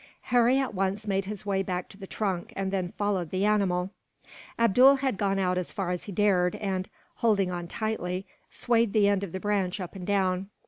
Harry at once made his way back to the trunk, and then followed the animal. Abdool had gone out as far as he dared and, holding on tightly, swayed the end of the branch up and down.